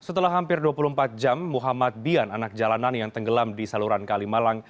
setelah hampir dua puluh empat jam muhammad bian anak jalanan yang tenggelam di saluran kalimalang